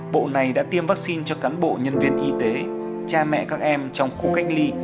bộ này đã tiêm vaccine cho cán bộ nhân viên y tế cha mẹ các em trong khu cách ly